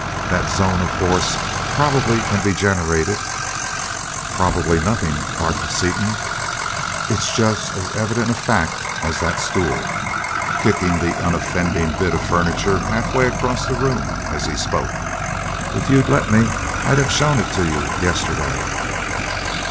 That zone of force probably can be generated " "Probably, nothing!" barked Seaton. "It's just as evident a fact as that stool," kicking the unoffending bit of furniture half way across the room as he spoke. "If you'd've let me, I'd've shown it to you yesterday!"